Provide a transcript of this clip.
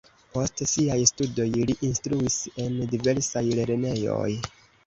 Post siaj studoj li instruis en diversaj lernejoj.